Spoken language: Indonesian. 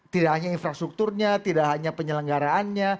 tidak hanya infrastrukturnya tidak hanya penyelenggaraannya